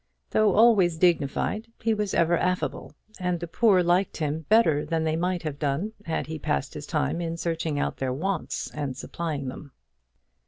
Though always dignified he was ever affable, and the poor liked him better than they might have done had he passed his time in searching out their wants and supplying them.